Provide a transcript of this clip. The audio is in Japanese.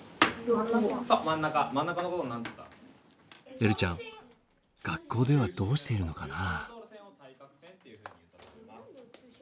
えるちゃん学校ではどうしているのかな？